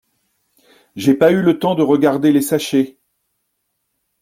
J’ai pas eu le temps de regarder les sachets.